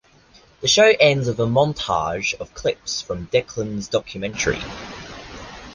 The show ends with a montage of clips from Declan's documentary.